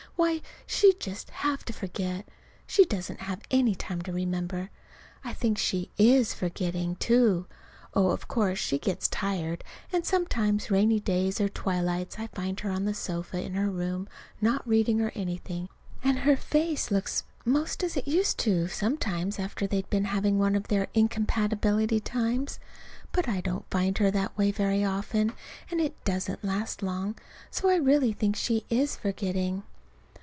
Why, she'd just have to forget. She doesn't have any time to remember. I think she is forgetting, too. Oh, of course she gets tired, and sometimes rainy days or twilights I find her on the sofa in her room not reading or anything, and her face looks 'most as it used to sometimes after they'd been having one of their incompatibility times. But I don't find her that way very often, and it doesn't last long. So I really think she is forgetting.